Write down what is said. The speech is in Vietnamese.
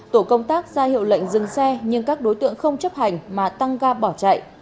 tổ công tác ra hiệu lệnh dừng xe nhưng các đối tượng không chấp hành mà tăng ga bỏ chạy